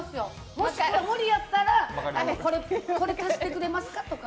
もし無理やったらこれ足してくれますか？とか。